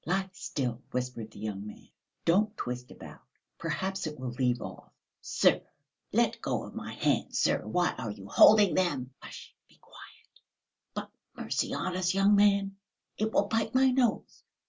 "Lie still," whispered the young man. "Don't twist about! Perhaps it will leave off." "Sir, let go of my hands, sir! Why are you holding them?" "Hush! Be quiet!" "But mercy on us, young man, it will bite my nose.